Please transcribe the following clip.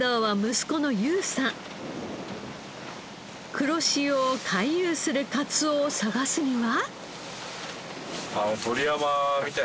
黒潮を回遊するかつおを探すには？